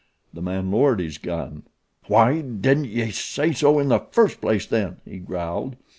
The man lowered his gun. "Wy didn't ye say so in the first place then?" he growled.